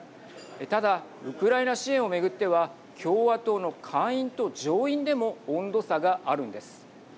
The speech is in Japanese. ただ、ウクライナ支援を巡っては共和党の下院と上院でも温度差があるんです。